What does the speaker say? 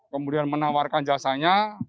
kemudian menawarkan jasanya